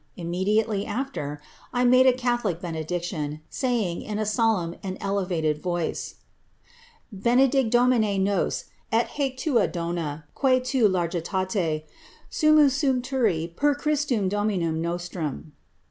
Immediately after, I made a catholic benedic tion, saying, in a solemn and elevated voice, ^ Benedic Domine nas ti hac tua dona qua tua largita/c, Sumus sumpturi per Christum Domi' num nostrum.'